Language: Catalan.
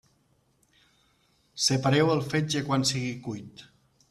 Separeu el fetge quan sigui cuit.